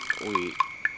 aku mau pergi ke rumah